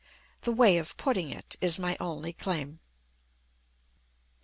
"The way of putting it" is my only claim.